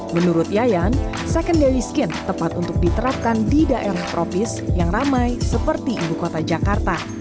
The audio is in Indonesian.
menurut yayan secondary skin tepat untuk diterapkan di daerah tropis yang ramai seperti ibu kota jakarta